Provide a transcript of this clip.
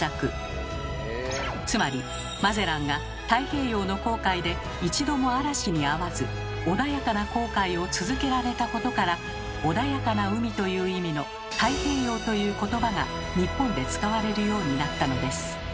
つまりマゼランが太平洋の航海で一度も嵐にあわず穏やかな航海を続けられたことから「穏やかな海」という意味の「太平洋」という言葉が日本で使われるようになったのです。